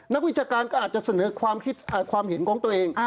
นักวิชาการก็อาจจะเสนอความเห็นของตัวเอง